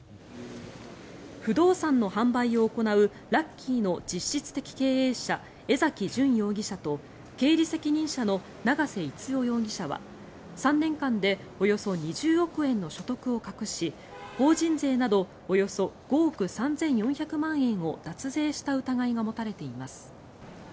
不動産の販売を行うラッキーの実質的経営者江崎純容疑者と経理責任者の長瀬一生容疑者は３年間でおよそ２０億円の所得を隠し法人税などおよそ５億３４００万円を脱税した疑いが持たれています。